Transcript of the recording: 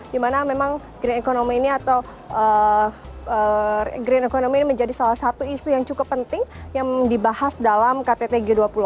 di mana memang green economy ini menjadi salah satu isu yang cukup penting yang dibahas dalam kttg dua puluh